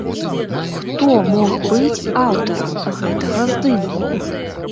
Хто мог быць аўтарам гэтага здымку?